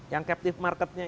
yang captive marketnya